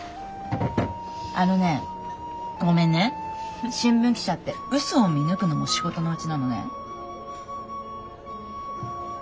あのねごめんね新聞記者ってうそを見抜くのも仕事のうちなのね。